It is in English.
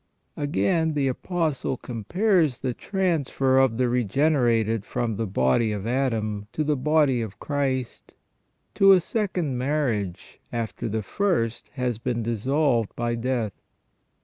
Again the Apostle compares the transfer of the regenerated from the body of Adam to the body of Christ to a second marriage after the first has been dissolved by death.